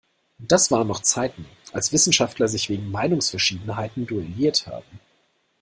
Das waren noch Zeiten, als Wissenschaftler sich wegen Meinungsverschiedenheiten duelliert haben!